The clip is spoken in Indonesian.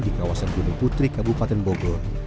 di kawasan gunung putri kabupaten bogor